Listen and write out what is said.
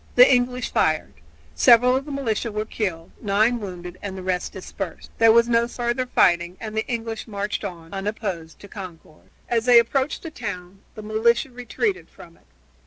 The English fired; several of the militia were killed, nine wounded, and the rest dispersed. There was no further fighting and the English marched on, unopposed, to Concord. As they approached the town the militia retreated from it.